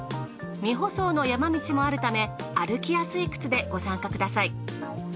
未舗装の山道もあるため歩きやすい靴でご参加ください。